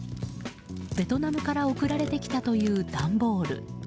ベトナムから送られてきたという段ボール。